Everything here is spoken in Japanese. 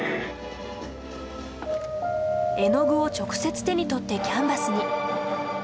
絵の具を直接手に取ってキャンバスに。